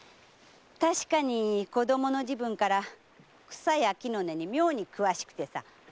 確かに子供の時分から草や木の根に妙に詳しくてさ。